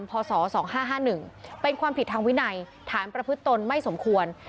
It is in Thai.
พศ๒๕๕๑เป็นความผิดทางวินัยฐานประพฤติตนไม่สมควร